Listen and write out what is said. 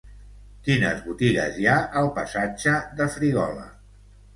Quines botigues hi ha al passatge de Frígola?